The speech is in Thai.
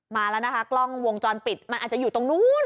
มาแล้วนะคะกล้องวงจรปิดมันอาจจะอยู่ตรงนู้น